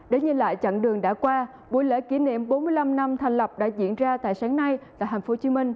để nhìn lại chặng đường đã qua buổi lễ kỷ niệm bốn mươi năm năm thành lập đã diễn ra tại sáng nay tại tp hcm